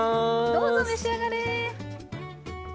どうぞ召し上がれ！